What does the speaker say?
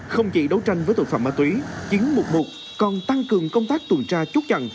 không chỉ đấu tranh với tội phạm ma túy chiến mục một còn tăng cường công tác tuần tra chốt chặn